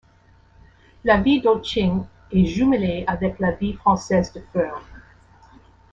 La ville d'Olching est jumelée avec la ville française de Feurs.